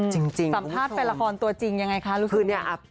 สัมภาษณ์เป็นละครตัวจริงยังไงคะรู้สึกไหม